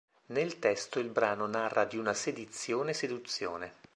Nel testo il brano narra di una sedizione seduzione.